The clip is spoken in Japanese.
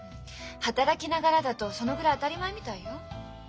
働きながらだとそのぐらい当たり前みたいよ。